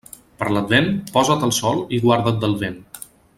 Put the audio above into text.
Per l'advent, posa't al sol i guarda't del vent.